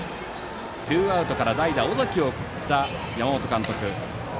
ツーアウトから代打、尾崎を送った山本監督。